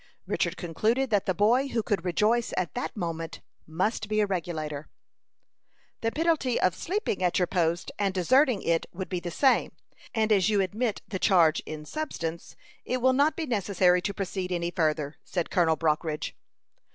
Richard concluded that the boy who could rejoice at that moment must be a Regulator. "The penalty of sleeping at your post and deserting it would be the same; and as you admit the charge in substance, it will not be necessary to proceed any further," said Colonel Brockridge.